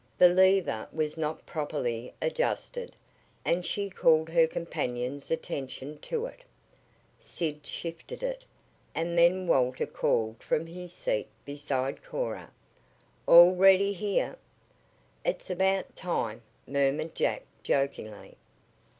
The lever was not properly adjusted, and she called her companion's attention to it. Sid shifted it, and then Walter called from his seat beside Cora. "All ready here!" "It's about time," murmured Jack, jokingly.